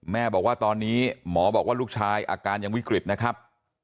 แม่บอกว่าตอนนี้หมอบอกว่าลูกชายอาการยังวิกฤตนะครับ